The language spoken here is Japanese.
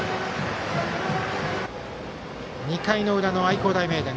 ２回の裏の愛工大名電。